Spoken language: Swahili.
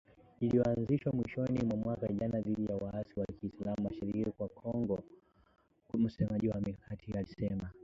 iliyoanzishwa mwishoni mwa mwaka jana dhidi ya waasi wa kiislam mashariki mwa Kongo msemaji wa mikakati hiyo alisema